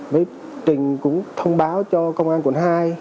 với trình cũng thông báo cho công an quận hai